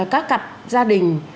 các cặp gia đình